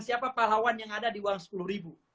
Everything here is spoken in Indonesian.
siapa pahlawan yang ada di uang sepuluh ribu